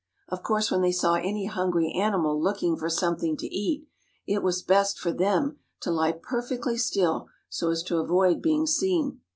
Of course when they saw any hungry animal looking for something to eat it was best for them to lie perfectly still so as to avoid being seen.